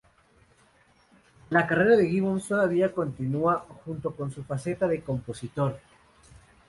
La carrera de Gibbons todavía continúa junto con su faceta de compositor.